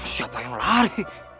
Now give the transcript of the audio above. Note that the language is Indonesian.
siapa yang lari